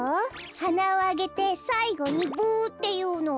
はなをあげてさいごにブっていうの。